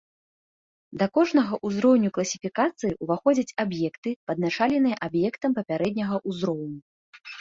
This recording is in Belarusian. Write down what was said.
Да кожнага ўзроўню класіфікацыі ўваходзяць аб'екты, падначаленыя аб'ектам папярэдняга ўзроўню.